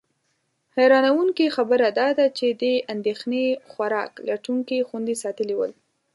حیرانونکې خبره دا ده چې دې اندېښنې خوراک لټونکي خوندي ساتلي ول.